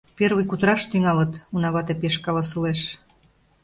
Первый кутыраш тӱҥалыт, — уна вате пеш каласылеш.